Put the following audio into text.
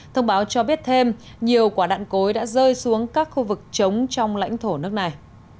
thông báo cho biết thêm nhiều quả đạn cối đã rơi xuống các khu vực trống trong lãnh thổ nước này